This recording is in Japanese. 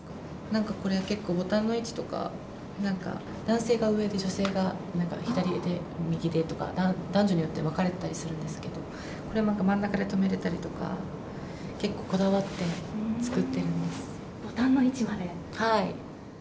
なんかこれ、結構ボタンの位置とか、なんか男性が上で、女性が左上で、右でとか、男女によって分かれてたりするんですけど、これは真ん中でとめれたりとか、結構こだわって作っているんボタンの位置まで？